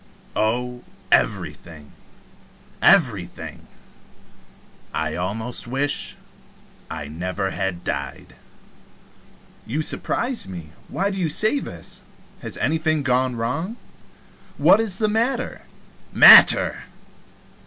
"Oh, everything, everything. I almost wish I never had died." "You surprise me. Why do you say this? Has anything gone wrong? What is the matter?" "Matter!